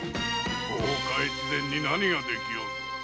大岡越前に何ができよう。